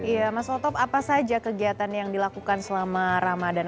iya mas otop apa saja kegiatan yang dilakukan selama ramadan